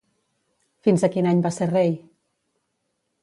Fins a quin any va ser rei?